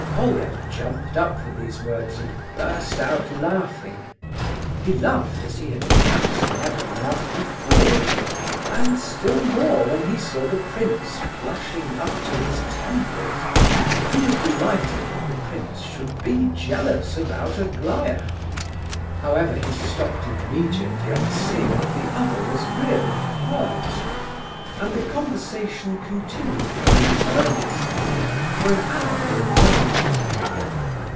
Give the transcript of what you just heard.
Colia jumped up, with these words, and burst out laughing. He laughed as he had perhaps never laughed before, and still more when he saw the prince flushing up to his temples. He was delighted that the prince should be jealous about Aglaya. However, he stopped immediately on seeing that the other was really hurt, and the conversation continued, very earnestly, for an hour or more.